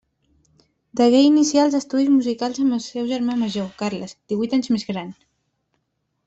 Degué iniciar els estudis musicals amb el seu germà major, Carles, divuit anys més gran.